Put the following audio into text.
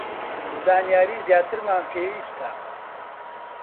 زانیاری زیاترمان پێویستە